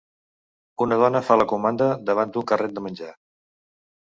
Una dona fa la comanda davant d'un carret de menjar.